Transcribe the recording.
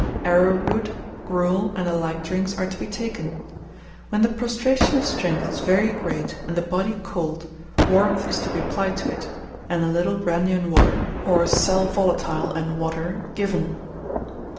Arrowroot, gruel, and the like drinks, are to be taken. When the prostration of strength is very great and the body cold, warmth is to be applied to it, and a little brandy and water, or sal volatile and water, given.